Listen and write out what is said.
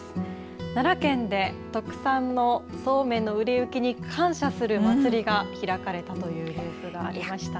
奈良県で特産のそうめんの売れ行きに感謝する祭りが開かれたというニュースがありましたね。